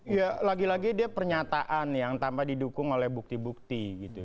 ya lagi lagi dia pernyataan yang tanpa didukung oleh bukti bukti gitu